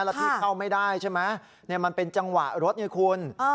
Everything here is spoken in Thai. แล้วพี่เข้าไม่ได้ใช่มั้ยนี่มันเป็นจังหวะรถนี่คุณ